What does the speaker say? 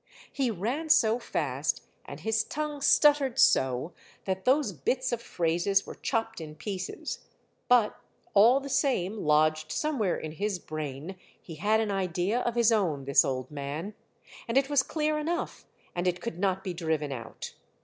He ran so fast, and his tongue stuttered so, that those bits of phrases were chopped in pieces. But all the same, lodged somewhere in his brain, he had an idea of his own, this old man ! And it was clear enough, and it could not be driven out